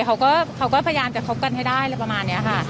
เขาก็เขาก็พยายามจะคบกันให้ได้เลยประมาณเนี้ยค่ะ